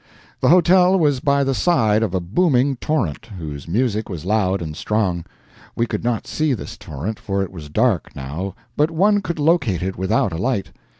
The hotel was by the side of a booming torrent, whose music was loud and strong; we could not see this torrent, for it was dark, now, but one could locate it without a light.